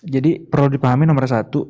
jadi perlu dipahami nomor satu